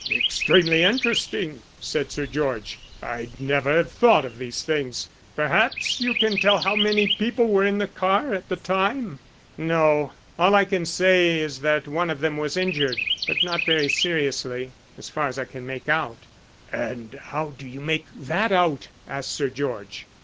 "Extremely interesting," said Sir George. "I'd never have thought of these things. Perhaps you can tell how many people were in the car at the time." "No. All I can say is that one of them was injured, but not very seriously, as far as I can make out." "And how do you make that out?" asked Sir George.